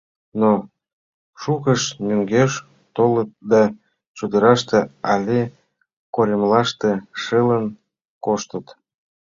Но шукышт мӧҥгеш толыт да чодыраште але коремлаште шылын коштыт.